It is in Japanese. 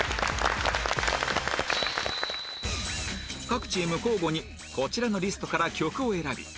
各チーム交互にこちらのリストから曲を選び